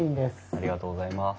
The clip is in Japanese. ありがとうございます。